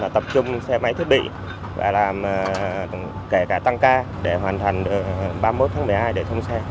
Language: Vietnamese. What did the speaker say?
tập trung xe máy thiết bị và làm kể cả tăng ca để hoàn thành ba mươi một tháng một mươi hai để thông xe